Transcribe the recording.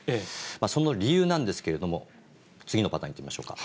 その理由なんですけれども、次のパターン、いきましょうか。